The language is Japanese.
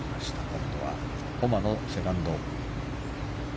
今度はホマのセカンド。